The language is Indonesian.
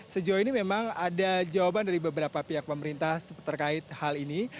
sejauh ini memang ada jawaban dari beberapa pihak pemerintah terkait hal ini